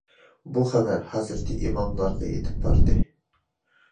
بۇ خەۋەر ھەزرىتى ئىماملارغا يېتىپ باردى.